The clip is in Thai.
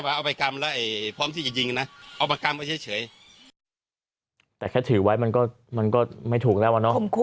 รอบข้ามตามแล้วก็ไปขู่ใครนะครับ